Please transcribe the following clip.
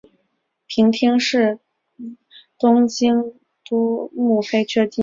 平町是东京都目黑区的地名。